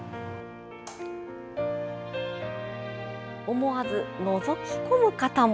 思わず、のぞき込む方も。